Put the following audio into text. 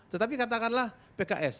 tetapi katakanlah pks